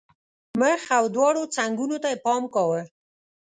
مخ او دواړو څنګونو ته یې پام کاوه.